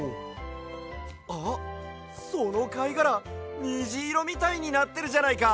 あっそのかいがらにじいろみたいになってるじゃないか！